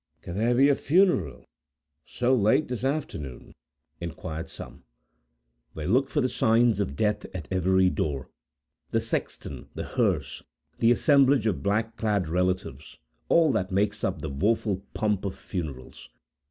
"Can there be a funeral, so late this afternoon?" inquired some. They looked for the signs of death at every door,—the sexton, the hearse, the assemblage of black clad relatives,—all that makes up the woeful pomp of funerals.